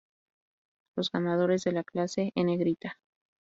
Los Ganadores de la clase en negrita.